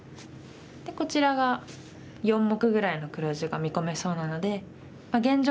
でこちらが４目ぐらいの黒地が見込めそうなので現状